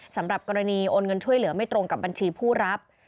สำหรับกรณีโอนเงินช่วยเหลือไม่ตรงกับบัญชีผู้รับ